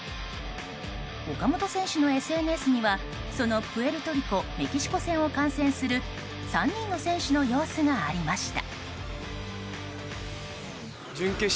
岡本選手のＳＮＳにはそのプエルトリコメキシコ戦を観戦する３人の選手の様子がありました。